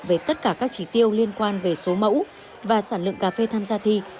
về tất cả các trí tiêu liên quan về số mẫu và sản lượng cà phê tham gia thi